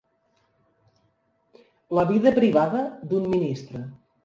La vida privada d'un ministre.